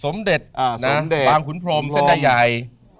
สมเด็จบางขุนพรมเส้นได้ใหญ่